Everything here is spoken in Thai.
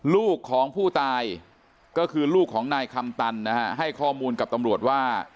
ลูกของผู้ตายก็คือลูกของนายคำตันนะฮะให้ข้อมูลกับตำรวจว่า